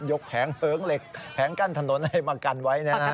ยกแผงเผิงเหล็กแผงกั้นถนนให้มากันไว้นะครับ